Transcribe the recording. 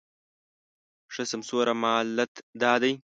ښه سمسوره مالت دا دی